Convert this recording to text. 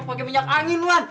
pake minyak angin wan